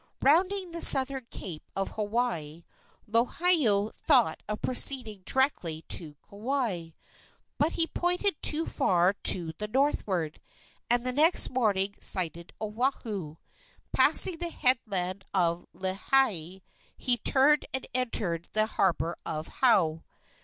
Rounding the southern cape of Hawaii, Lohiau thought of proceeding directly to Kauai; but he pointed too far to the northward, and the next morning sighted Oahu. Passing the headland of Leahi, he turned and entered the harbor of Hou.